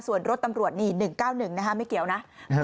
ส่วนรถตำรวจนี่๑๙๑นะคะไม่เกี่ยวนะ